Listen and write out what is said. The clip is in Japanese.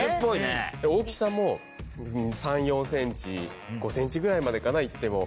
大きさも３４ｃｍ５ｃｍぐらいまでかないっても。